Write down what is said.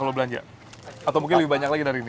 atau mungkin lebih banyak lagi dari ini